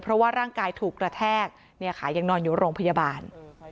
เพราะว่าร่างกายถูกกระแทกเนี่ยค่ะยังนอนอยู่โรงพยาบาล